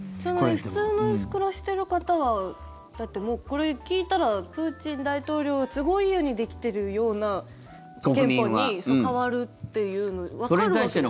普通に暮らしてる方はだって、これ聞いたらプーチン大統領の都合いいようにできてるような憲法に変わるっていうのわかるわけで。